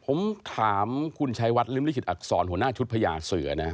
ผมถามคุณชัยวัดริมลิขิตอักษรหัวหน้าชุดพญาเสือนะ